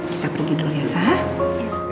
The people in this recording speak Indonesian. kita pergi dulu ya sah